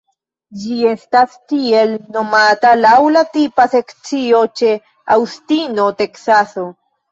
Ĝi estas tiele nomata laŭ la tipa sekcio ĉe Aŭstino, Teksaso.